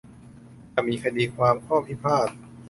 ถ้ามีคดีความข้อพิพาท